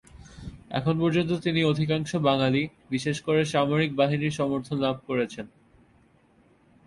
এখনো পর্যন্ত তিনি অধিকাংশ বাঙালি, বিশেষ করে সামরিক বাহিনীর সমর্থন লাভ করছেন।